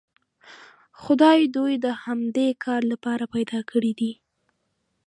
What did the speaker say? خدای دوی د همدې کار لپاره پیدا کړي دي.